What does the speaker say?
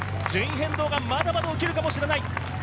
順位変動がまだまだ起きるかもしれない。